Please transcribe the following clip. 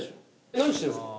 何してるんですか？